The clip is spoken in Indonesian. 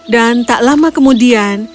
dan tak lama kemudian